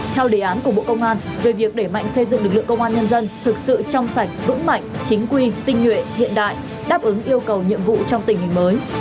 theo đề án của bộ công an về việc để mạnh xây dựng lực lượng công an nhân dân thực sự trong sạch vững mạnh chính quy tinh nhuệ hiện đại đáp ứng yêu cầu nhiệm vụ trong tình hình mới